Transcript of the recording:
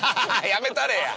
やめたれや！